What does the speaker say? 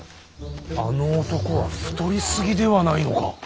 あの男は太り過ぎではないのか。